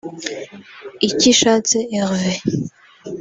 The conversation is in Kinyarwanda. Ikishatse Herve